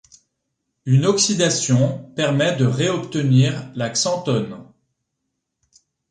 Une oxydation permet de réobtenir la xanthone.